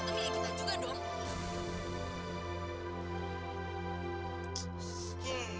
memiliki kita juga dong